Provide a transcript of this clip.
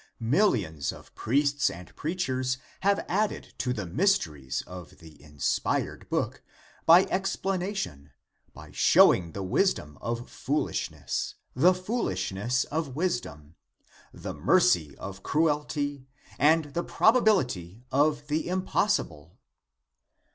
Millions of priests and preachers have added to the mysteries of the inspired book by explanation, by showing the wisdom of foolishness, the foolishness of wisdom, the mercy of cruelty and the probability of the impossible.